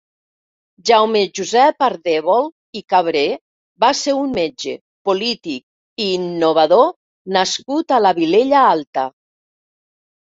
Jaume Josep Ardèvol i Cabrer va ser un metge, polític i innovador nascut a la Vilella Alta.